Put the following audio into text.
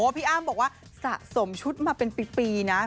พี่อ้ำบอกว่าสะสมชุดมาเป็นปีนะ